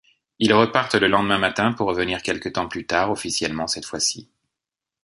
Ils repartent le lendemain matin pour revenir quelque temps plus tard, officiellement cette fois-ci.